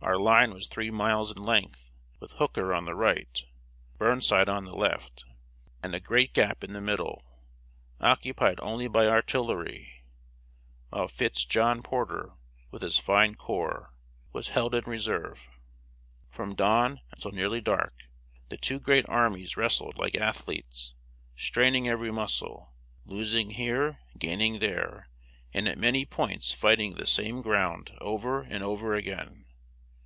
Our line was three miles in length, with Hooker on the right, Burnside on the left, and a great gap in the middle, occupied only by artillery; while Fitz John Porter, with his fine corps, was held in reserve. From dawn until nearly dark, the two great armies wrestled like athletes, straining every muscle, losing here, gaining there, and at many points fighting the same ground over and over again.